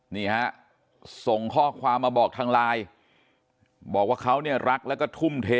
นี่ฮะส่งข้อความมาบอกทางไลน์บอกว่าเขาเนี่ยรักแล้วก็ทุ่มเท